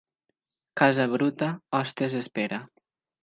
Casa bruta, hostes espera.